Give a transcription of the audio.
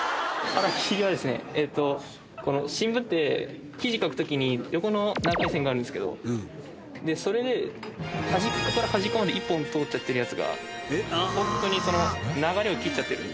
えーっと新聞って記事書く時に横の長い線があるんですけどそれで端っこから端っこまで一本通っちゃってるやつがホントに流れを切っちゃってる。